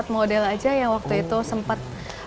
empat model aja yang waktu itu sempat